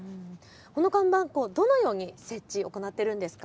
この看板、どのように設置を行っているんですか。